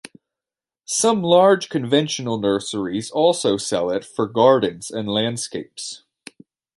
Some large conventional nurseries also sell it for gardens and landscapes.